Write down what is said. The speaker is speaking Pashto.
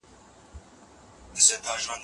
که منطقي تسلسل نه وي نو لیکنه ارزښت نلري.